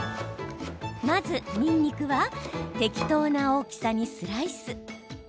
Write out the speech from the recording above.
まず、にんにくは適当な大きさにスライス。